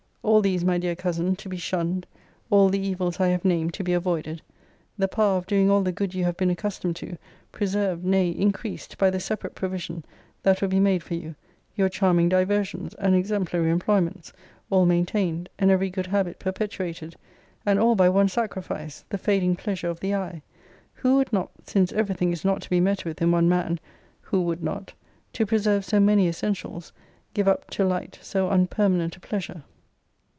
All these, my dear cousin, to be shunned, all the evils I have named to be avoided; the power of doing all the good you have been accustomed to, preserved, nay, increased, by the separate provision that will be made for you: your charming diversions, and exemplary employments, all maintained; and every good habit perpetuated: and all by one sacrifice, the fading pleasure of the eye! who would not, (since every thing is not to be met with in one man, who would not,) to preserve so many essentials, give up to light, so unpermanent a pleasure!